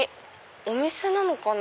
お店なのかな？